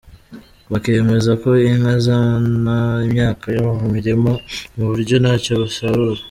Bakemeza ko inka zona imyaka yo mu mirima ku buryo ntacyo basarura.